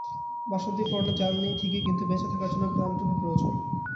বাসন্তীর পরনে জাল নেই ঠিকই, কিন্তু বেঁচে থাকার জন্য ত্রাণটুকু প্রয়োজন।